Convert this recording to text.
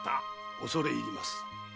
おそれ入ります。